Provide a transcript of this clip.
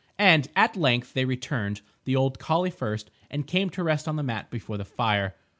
And, at length, they returned, the old collie first, and came to rest on the mat before the fire.